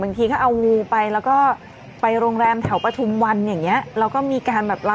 บางทีก็เอางูไปแล้วก็ไปโรงแรมแถวปฐุมวันอย่างเงี้ยแล้วก็มีการแบบเรา